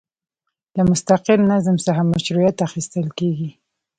له مستقر نظم څخه مشروعیت اخیستل کیږي.